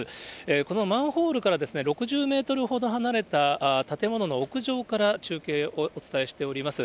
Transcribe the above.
このマンホールから６０メートルほど離れた建物の屋上から中継をお伝えしております。